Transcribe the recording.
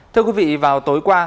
thưa quý vị vào tối qua